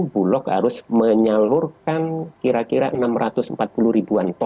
bulog harus menyalurkan kira kira enam ratus empat puluh ribuan ton